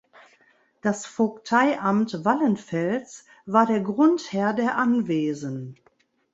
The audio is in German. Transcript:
Das Vogteiamt Wallenfels war der Grundherr der Anwesen.